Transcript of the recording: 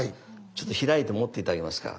ちょっと開いて持って頂けますか？